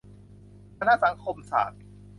คณะสังคมศาสตร์